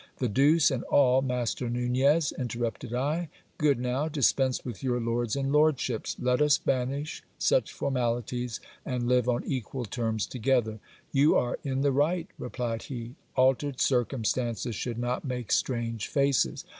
The deuce and all, Master Nunez ! interrupted I ; good now, dispense with your lords and lordships. Let us banish such formalities, and live on equal terms together. You are in the right, replied he ; altered circumstances should not make strange faces.